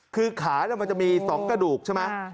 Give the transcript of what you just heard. คือขามันจะมี๒กระดูกใช่ไหม